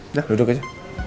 sudah duduk aja